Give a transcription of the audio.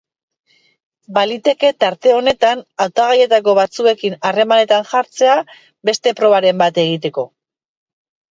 Baliteke tarte honetan hautagaietako batzuekin harremanetan jartzea beste probaren bat egiteko.